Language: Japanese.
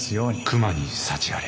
熊に幸あれ。